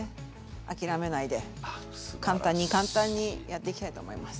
諦めないで簡単に簡単にやっていきたいと思います。